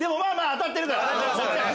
当たってるから。